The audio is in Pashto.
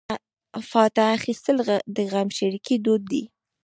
فاتحه اخیستل د غمشریکۍ دود دی.